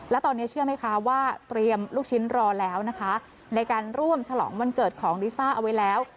และตอนนี้เชื่อไหมคะว่าเตรียมลูกชิ้นรอแล้วนะคะในการร่วมฉลองวันเกิดของลิซ่าเอาไว้แล้ว